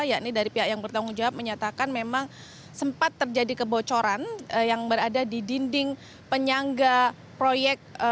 yakni dari pihak yang bertanggung jawab menyatakan memang sempat terjadi kebocoran yang berada di dinding penyangga proyek